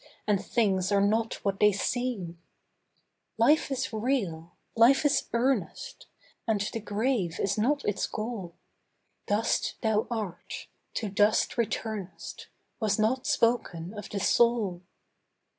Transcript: And things are not what they seem. Life is real ! Life is earnest ! And the grave is not its goal ; Dust thou art, to dust returnest, Was not spoken of the soul.